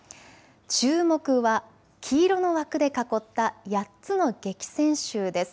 注目は黄色の枠で囲った８つの激戦州です。